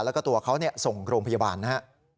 แล้วก็ตัวเขาส่งโรงพยาบาลนะฮะ